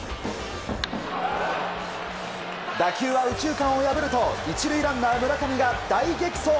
打球は右中間を破ると１塁ランナー村上が大激走！